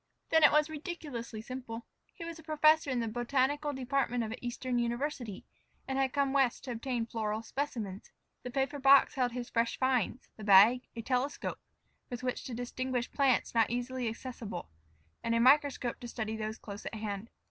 Then it was ridiculously simple. He was a professor in the botanical department of an Eastern university, and had come West to obtain floral specimens. The paper box held his fresh finds; the bag, a telescope with which to distinguish plants not easily accessible, and a microscope to study those close at hand.